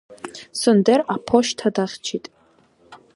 Сундер аԥошьҭа дахьчеит.